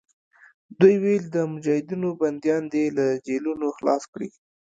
دوی ویل د مجاهدینو بندیان دې له جېلونو خلاص کړي.